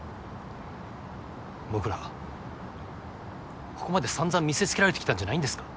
僕らここまでさんざん見せつけられてきたんじゃないんですか？